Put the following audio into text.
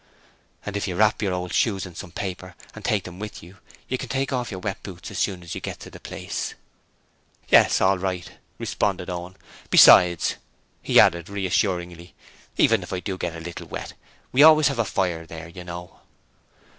'And if you wrap your old shoes in some paper, and take them with you, you can take off your wet boots as soon as you get to the place.' 'Yes, all right,' responded Owen. 'Besides,' he added, reassuringly, 'even if I do get a little wet, we always have a fire there, you know.'